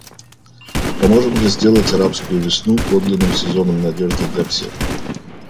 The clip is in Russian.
Поможем же сделать «арабскую весну» подлинным сезоном надежды для всех.